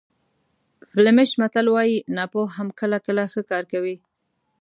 فلیمیش متل وایي ناپوه هم کله کله ښه کار کوي.